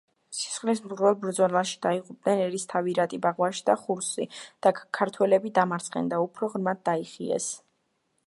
სისხლისმღვრელ ბრძოლაში დაიღუპნენ ერისთავი რატი ბაღვაში და ხურსი, ქართველები დამარცხდნენ და უფრო ღრმად დაიხიეს.